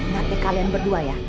nanti kalian berdua ya